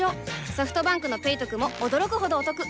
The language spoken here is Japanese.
ソフトバンクの「ペイトク」も驚くほどおトク